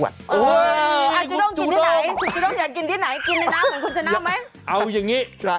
เอออาจจะต้องกินที่ไหนอาจจะต้องอยากกินที่ไหนกินในน้ำคุณจะนำไหม